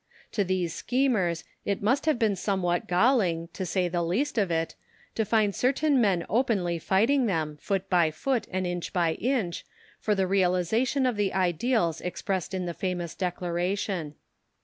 To these schemers it must have been somewhat galling, to say the least of it, to find certain men openly fighting them, foot by foot, and inch by inch, for the realisation of the ideals expressed in the famous Declaration.